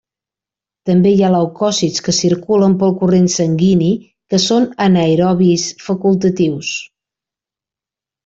També hi ha leucòcits que circulen pel corrent sanguini que són anaerobis facultatius.